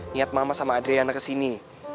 niat mama sama adriana kesini